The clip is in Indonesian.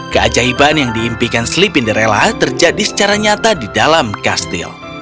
keajaiban yang diimpikan slipinderella terjadi secara nyata di dalam kastil